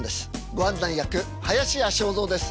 ご案内役林家正蔵です。